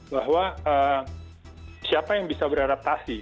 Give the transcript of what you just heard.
bahwa siapa yang bisa beradaptasi